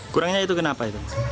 kurangnya itu kenapa